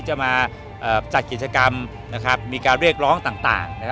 จะมาจัดกิจกรรมนะครับมีการเรียกร้องต่างนะครับ